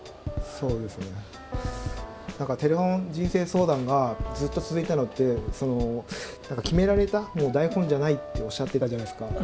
何か「テレフォン人生相談」がずっと続いたのって決められた台本じゃないっておっしゃってたじゃないですか。